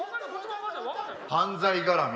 犯罪絡み？